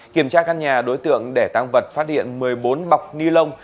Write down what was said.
kiểm tra căn nhà đối tượng để tăng vật phát hiện một mươi bốn bọc ni lông